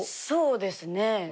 そうですね。